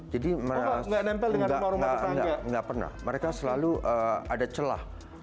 jadi nggak pernah mereka selalu ada celah